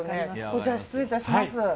こちら、失礼致します。